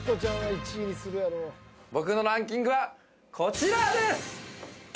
僕のランキングはこちらです！